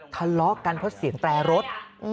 ทะเลาะกันเพราะเสียงแตรรถ